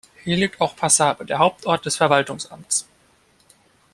Hier liegt auch Passabe, der Hauptort des Verwaltungsamts.